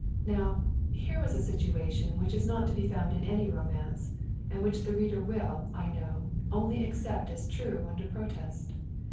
Now, here was a situation which is not to be found in any romance, and which the reader will, I know, only accept as true under protest.